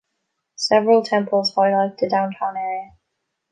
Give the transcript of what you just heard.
Several temples highlight the downtown area.